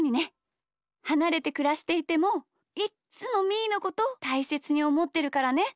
はなれてくらしていてもいっつもみーのことたいせつにおもってるからね！